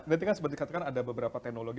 nanti kan seperti dikatakan ada beberapa teknologi